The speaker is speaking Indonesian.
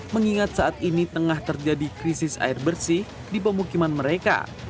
mengingat saat ini tengah terjadi krisis air bersih di pemukiman mereka